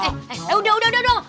eh udah udah dong